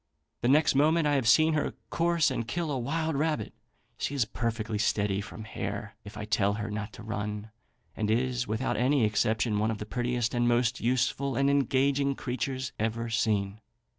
The next moment I have seen her course and kill a wild rabbit. She is perfectly steady from hare if I tell her not to run, and is, without any exception, one of the prettiest and most useful and engaging creatures ever seen.